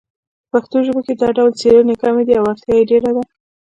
په پښتو ژبه کې دا ډول څیړنې کمې دي او اړتیا یې ډېره ده